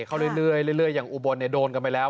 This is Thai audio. เข้าเรื่อยอย่างอุบลโดนกันไปแล้ว